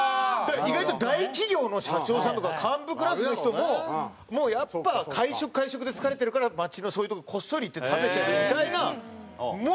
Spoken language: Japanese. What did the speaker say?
意外と大企業の社長さんとか幹部クラスの人もやっぱ会食会食で疲れてるから街のそういうとこにこっそり行って食べてるみたいなものもあるんですよ。